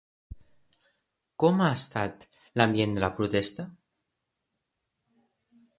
Com ha estat l'ambient de la protesta?